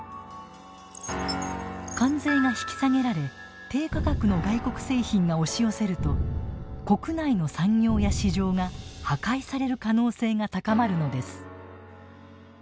関税が引き下げられ低価格の外国製品が押し寄せると国内の産業や市場が破壊される可能性が高まるのです。